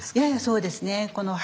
ややそうですね。